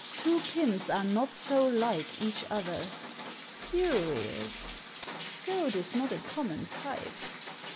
Two pins are not so like each other." " Curious. Goad is not a common type.